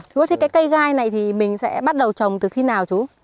thưa chú thế cái cây gai này thì mình sẽ bắt đầu trồng từ khi nào chú